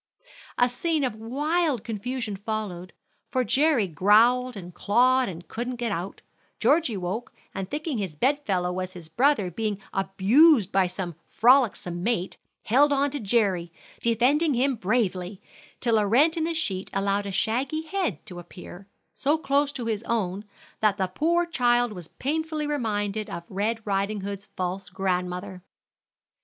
A scene of wild confusion followed, for Jerry growled and clawed and couldn't get out; Georgie woke, and thinking his bed fellow was his brother being abused by some frolicsome mate, held on to Jerry, defending him bravely, till a rent in the sheet allowed a shaggy head to appear, so close to his own that the poor child was painfully reminded of Red Riding Hood's false grandmother.